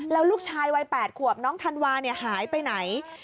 แล้วลูกชายวัย๘ขวบน้องธันวาหายไปไหน